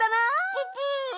ププ。